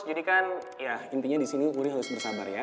jadi kan ya intinya disini wuri harus bersabar ya